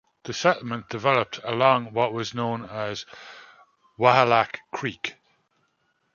The settlement developed along what was known as Wahalak Creek.